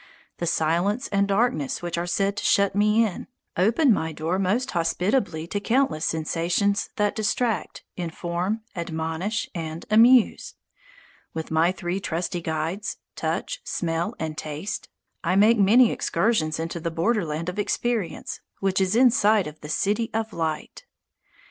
The silence and darkness which are said to shut me in, open my door most hospitably to countless sensations that distract, inform, admonish, and amuse. With my three trusty guides, touch, smell, and taste, I make many excursions into the borderland of experience which is in sight of the city of Light.